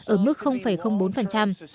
ở mức bốn